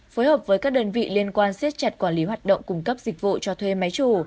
phối hợp với các đơn vị liên quan xiết chặt quản lý hoạt động cung cấp dịch vụ cho thuê máy chủ